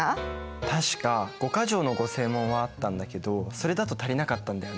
確か五箇条の御誓文はあったんだけどそれだと足りなかったんだよね。